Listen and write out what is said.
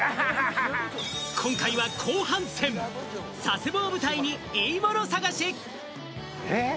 今回は後半戦、佐世保を舞台にいいものを探し！